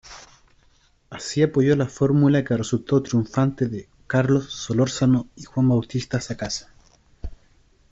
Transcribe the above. Así apoyó la fórmula que resultó triunfante de Carlos Solórzano y Juan Bautista Sacasa.